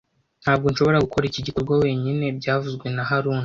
Ntabwo nshobora gukora iki gikorwa wenyine byavuzwe na haruna